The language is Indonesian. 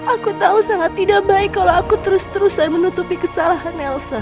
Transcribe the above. aku tahu sangat tidak baik kalau aku terus terusan menutupi kesalahan nelson